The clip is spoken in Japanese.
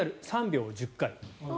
３秒を１０回。